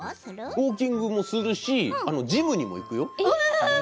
ウォーキングもするしジムにも行くよ。